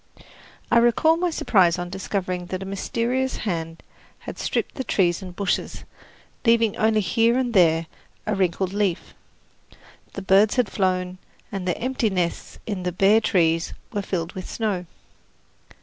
I recall my surprise on discovering that a mysterious hand had stripped the trees and bushes, leaving only here and there a wrinkled leaf. The birds had flown, and their empty nests in the bare trees were filled with snow.